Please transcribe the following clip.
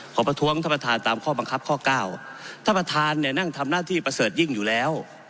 ประท้วงท่านประธานตามข้อบังคับข้อเก้าท่านประธานเนี่ยนั่งทำหน้าที่ประเสริฐยิ่งอยู่แล้ว